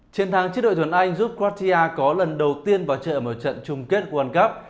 chiến thắng trước đội tuyển anh giúp quartia có lần đầu tiên vào trận trung kết world cup